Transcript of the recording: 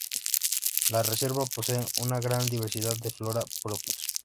La reserva posee una gran diversidad de flora, propios.